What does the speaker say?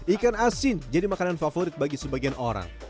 ikan asin jadi makanan favorit bagi sebagian orang